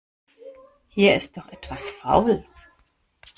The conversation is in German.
Hier ist doch etwas faul.